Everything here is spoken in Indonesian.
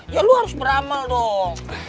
ya lu harus beramal dong